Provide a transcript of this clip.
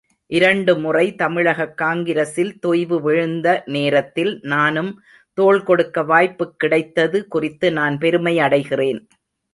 இரண்டுமுறை தமிழகக் காங்கிரஸில் தொய்வு விழுந்தநேரத்தில் நானும் தோள்கொடுக்க வாய்ப்புக் கிடைத்தது குறித்து நான் பெருமை அடைகிறேன்.